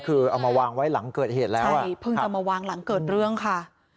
คือเอามาวางไว้หลังเกิดเหตุแล้วใช่เพิ่งจะมาวางหลังเกิดเรื่องค่ะ